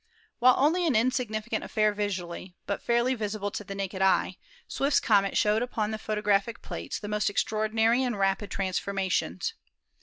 While only an insignificant affair visually, and but fairly visible tc* the naked eye, Swift's comet showed upon the photo graphic plates the most extraordinary ai.d rapid trans formations.